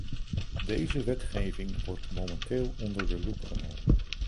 Deze wetgeving wordt momenteel onder de loep genomen.